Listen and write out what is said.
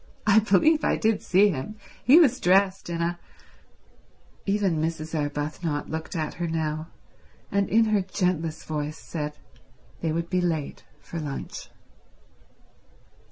"I believe I did see him—he was dressed in a—" Even Mrs. Arbuthnot looked at her now, and in her gentlest voice said they would be late for lunch.